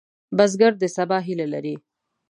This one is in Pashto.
بزګر د سبا هیله لري